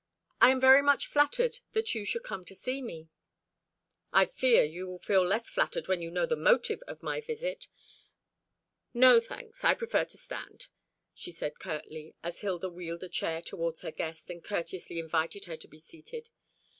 "I am very much flattened that you should come to see me." "I fear you will feel less flattered when you know the motive of my visit. No, thanks; I prefer to stand," she said curtly, as Hilda wheeled a chair towards her guest, and courteously invited her to be seated.